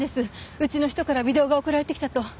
うちの人からビデオが送られてきたと。